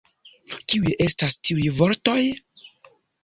Kiuj estas tiuj vortoj?